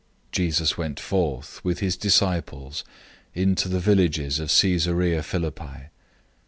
008:027 Jesus went out, with his disciples, into the villages of Caesarea Philippi.